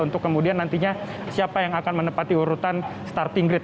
untuk kemudian nantinya siapa yang akan menepati urutan starting grid